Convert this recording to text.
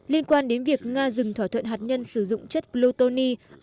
liên quan đến việc nga dừng thỏa thuận hạt nhân sử dụng chất plutoni